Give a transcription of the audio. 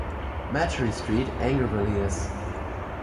Machery street, Angervilliers